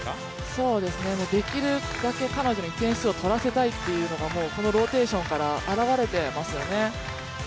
そうですね、できるだけ彼女に点数を取らせたいというのがこのローテーションから表れてますよね。